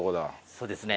そうですね。